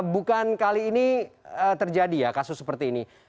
bukan kali ini terjadi ya kasus seperti ini